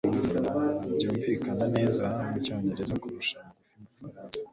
byumvikana neza mucyongereza kurusha mugi faransa